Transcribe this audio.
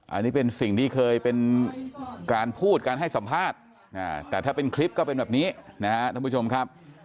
อันนี้เป็นสิ่งที่เคยเป็นการพูดการให้สัมภาษณ์แต่ถ้าเป็นคลิปก็เป็นแบบนี้นะฮะท่านผู้ชมครับ